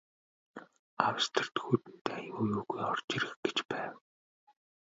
Австрид Хүйтэн дайн юу юугүй орж ирэх гэж байв.